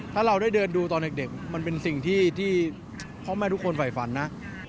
ถ้าเราได้เดินดูตอนเด็กมันเป็นสิ่งที่พ่อแม่ทุกคนฝ่ายฝันนะ